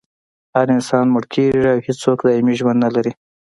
هر انسان مړ کیږي او هېڅوک دایمي ژوند نلري